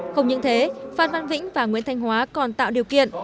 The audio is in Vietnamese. không những thế phan văn vĩnh và nguyễn thanh hóa còn tạo điều kiện